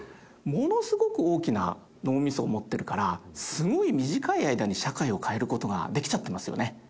ものすごく大きな脳みそを持ってるからすごい短い間に社会を変える事ができちゃってますよね